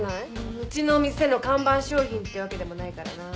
うちの店の看板商品ってわけでもないからなぁ。